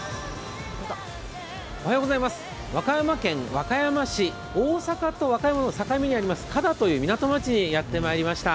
和歌山県和歌山市、大阪との境にある加太という港町にやってまいりました。